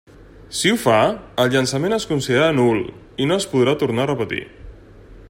Si ho fa, el llançament es considerarà nul, i no es podrà tornar a repetir.